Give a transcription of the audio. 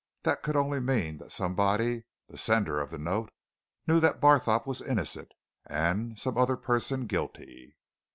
that could only mean that somebody the sender of the note knew that Barthorpe was innocent and some other person guilty.